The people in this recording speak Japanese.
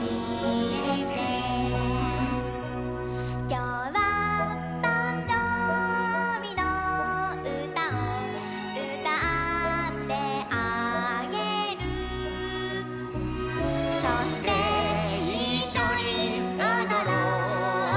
「きょうはたんじょうびのうたをうたってあげる」「そしていっしょにおどろうようでをくんで、、、」